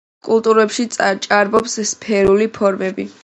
კულტურებში ჭარბობს სფერული ფორმები.